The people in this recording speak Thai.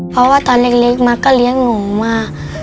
เพราะว่าตอนเล็กมาก็เลี้ยงหนูมา